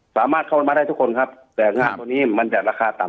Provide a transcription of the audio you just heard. สามารถเข้ามาได้ทุกคนครับแต่งานตัวนี้มันจะราคาต่ำ